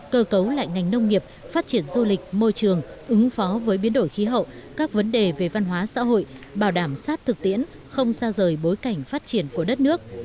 cơ cấu lại ngành nông nghiệp phát triển du lịch môi trường ứng phó với biến đổi khí hậu các vấn đề về văn hóa xã hội bảo đảm sát thực tiễn không xa rời bối cảnh phát triển của đất nước